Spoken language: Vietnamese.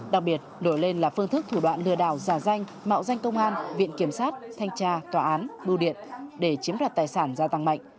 đặc biệt nổi lên là phương thức thủ đoạn lừa đảo giả danh mạo danh công an viện kiểm sát thanh tra tòa án bưu điện để chiếm đoạt tài sản gia tăng mạnh